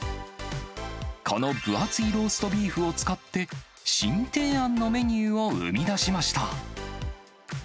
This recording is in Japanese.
この分厚いローストビーフを使って、新提案のメニューを生み出しました。